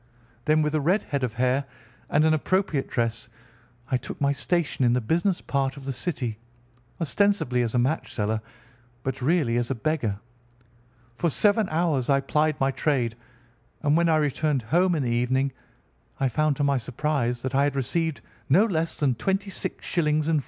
Then with a red head of hair, and an appropriate dress, I took my station in the business part of the city, ostensibly as a match seller but really as a beggar. For seven hours I plied my trade, and when I returned home in the evening I found to my surprise that I had received no less than 26_s_. 4_d_.